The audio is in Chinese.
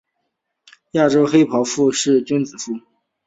亚球孢黑腹菌是属于牛肝菌目黑腹菌科黑腹菌属的一种担子菌。